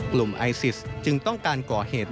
กลุ่มไอซิสจึงต้องการก่อเหตุ